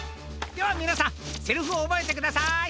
ではみなさんセリフをおぼえてください。